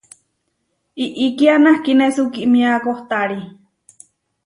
Iʼíkia nahkíne sukímia kohtári.